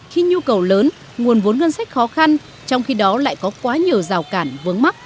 khi nhu cầu lớn nguồn vốn ngân sách khó khăn trong khi đó lại có quá nhiều rào cản vướng mắt